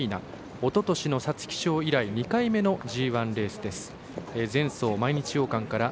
おととしの皐月賞以来２回目のＧＩレースです。